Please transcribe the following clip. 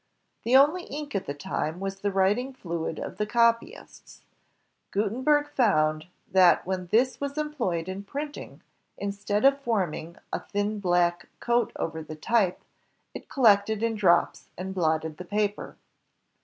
The only ink at the time was the writing fluid of the copyists. Gutenberg foimd that when this was employed in printing, instead of forming a thin black coat over the type, it collected in drops and blotted the paper.